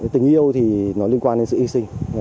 tình yêu thì nó liên quan đến sự hy sinh